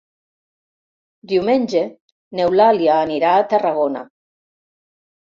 Diumenge n'Eulàlia anirà a Tarragona.